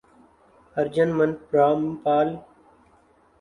ارجن من را مپال